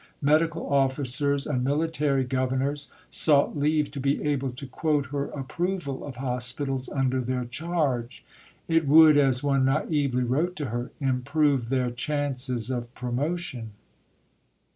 Medical officers and military governors sought leave to be able to quote her approval of hospitals under their charge. It would, as one naïvely wrote to her, improve their chances of promotion.